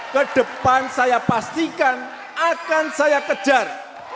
ke depan saya pastikan akan saya kejar